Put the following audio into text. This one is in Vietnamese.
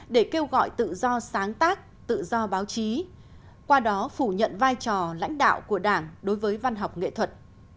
để kêu gọi tự do sáng tác tự do báo chí qua đó phủ nhận vai trò lãnh đạo của đảng đối với văn học nghệ thuật